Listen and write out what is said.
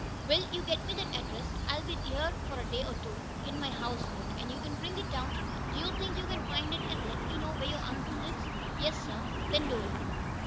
"Will, you get me that address. I'll be here a day or so, in my houseboat, and you can bring it down to me. Do you think you can find it, and let me know where your uncle lives?" "Yes, sir." "Then do it."